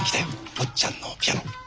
坊ちゃんのピアノ。